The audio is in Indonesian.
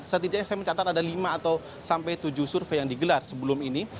setidaknya saya mencatat ada lima atau sampai tujuh survei yang digelar sebelum ini